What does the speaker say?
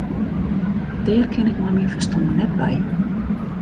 Dêr kin ik mei myn ferstân net by.